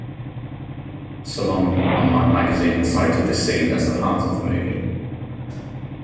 Salon online magazine cited this scene as the heart of the movie.